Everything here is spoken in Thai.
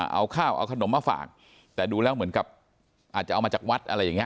เอาข้าวเอาขนมมาฝากแต่ดูแล้วเหมือนกับอาจจะเอามาจากวัดอะไรอย่างนี้